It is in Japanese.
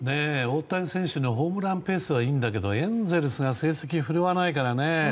大谷選手のホームランペースはいいんだけど、エンゼルスが成績振るわないからね。